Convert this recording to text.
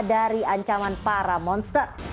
dari ancaman para monster